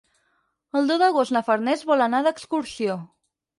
El deu d'agost na Farners vol anar d'excursió.